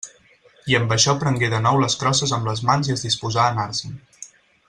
I amb això prengué de nou les crosses amb les mans i es disposà a anar-se'n.